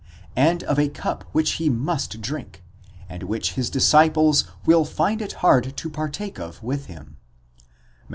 and of a cup, which he must drink, and which his disciples will find it hard to partake of with him (Matt.